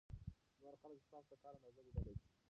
نور خلک ستاسو د کار اندازه لیدلای شي.